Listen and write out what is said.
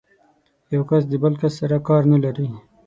يو کس د بل کس سره کار نه لري.